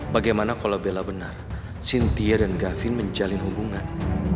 bagaimana kalau bella benar cynthia dan gavin menjalin hubungan